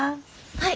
はい。